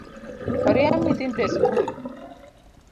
Oriemb nyithindo e sikul